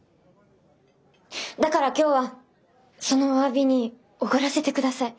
だから今日はそのお詫びにおごらせてください。